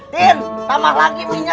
tim tambah lagi mie nya